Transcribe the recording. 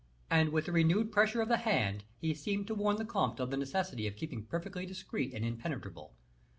And with a renewed pressure of the hand, he seemed to warn the comte of the necessity of keeping perfectly discreet and impenetrable.